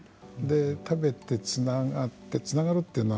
食べて、つながってつながるというのは